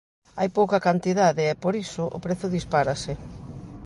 Hai pouca cantidade e, por iso, o prezo dispárase.